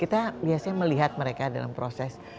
kita biasanya melihat mereka dalam proses